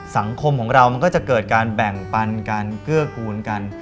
สังคมของเรามันก็จะเกิดการแบ่งปันกันเกื้อกูลกัน